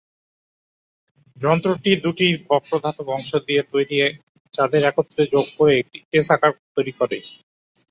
যন্ত্রটি দুটি বক্র ধাতব অংশ দিয়ে তৈরি, যাদের একত্রে যোগ দিয়ে একটি "এস" আকার তৈরি করে।